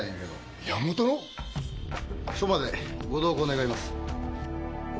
署までご同行願います。